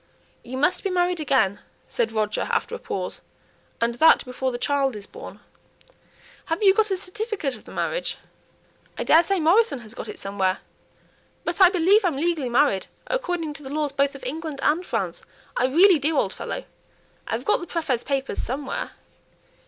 "You must be married again," said Roger, after a pause, "and that before the child is born. Have you got a certificate of the marriage?" "I daresay Morrison has got it somewhere. But I believe I'm legally married according to the laws both of England and France; I really do, old fellow. I've got the prÄfet's papers somewhere."